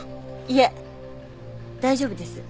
いえ大丈夫です。